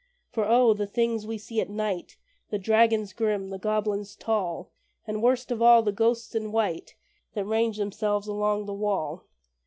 For O! the things we see at night The dragons grim, the goblins tall, And, worst of all, the ghosts in white That range themselves along the wall!